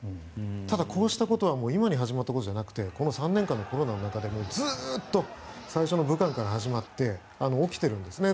ただ、こうしたことは今に始まったことではなくてコロナが始まってずっと最初の武漢から始まって起きているんですね。